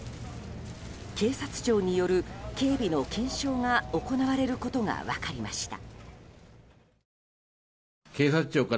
警察庁による警備の検証が行われることが分かりました。